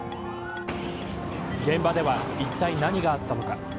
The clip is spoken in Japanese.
現場では、いったい何があったのか。